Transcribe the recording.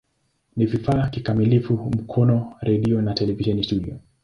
Ni vifaa kikamilifu Mkono redio na televisheni studio.